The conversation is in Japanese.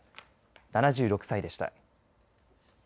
７６歳でした。